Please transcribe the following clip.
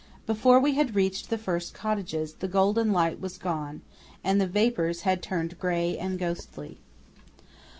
Before we had reached the first cottages, the golden light was gone, and the vapours had turned grey and ghostly.